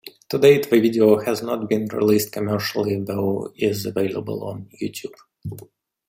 To date, the video has not been released commercially, though is available on YouTube.